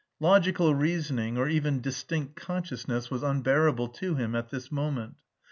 Logical reasoning or even distinct consciousness was unbearable to him at this moment.